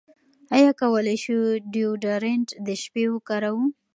ایا کولی شو ډیوډرنټ د شپې وکاروو؟